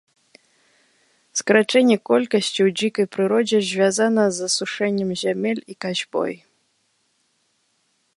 Скарачэнне колькасці ў дзікай прыродзе звязана з асушэннем зямель і касьбой.